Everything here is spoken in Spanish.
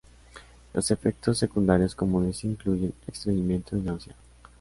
Los efectos secundarios comunes incluyen estreñimiento y náusea.